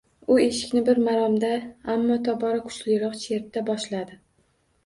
U eshikni bir maromda, ammo tobora kuchliroq cherta boshladi.